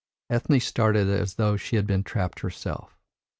Ethne started as though she had been trapped herself.